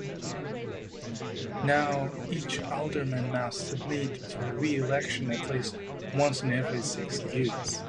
Now each Alderman must submit for re-election at least once in every six years.